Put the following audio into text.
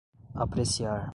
apreciar